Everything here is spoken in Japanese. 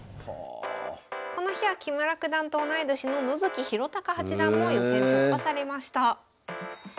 この日は木村九段と同い年の野月浩貴八段も予選突破されました。